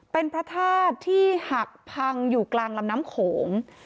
เป็นพระธาตุที่หักพังอยู่กลางลำน้ำโขง